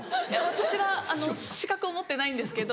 私は資格を持ってないんですけど。